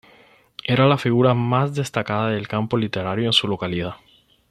Era la figura más destacada del campo literario en su localidad.